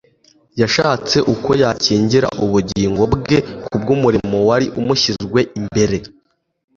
yashatse uko yakingira ubugingo bwe kubw'umurimo wari umushyizwe imbere